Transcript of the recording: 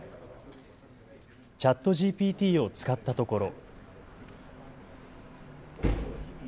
ＣｈａｔＧＰＴを使ったところ。